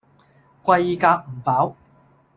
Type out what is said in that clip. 貴夾唔飽